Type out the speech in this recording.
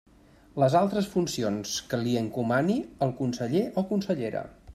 Les altres funcions que li encomani el conseller o consellera.